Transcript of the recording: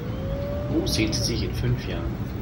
Wo sehen Sie sich in fünf Jahren?